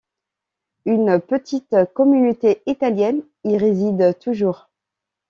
Une petite communauté italienne y réside toujours.